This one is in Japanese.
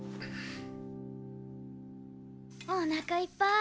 おなかいっぱい。